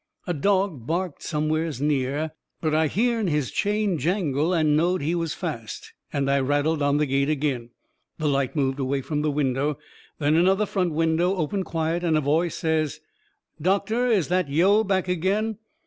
A dog barked somewheres near, but I hearn his chain jangle and knowed he was fast, and I rattled on the gate agin. The light moved away from the window. Then another front window opened quiet, and a voice says: "Doctor, is that yo' back agin?"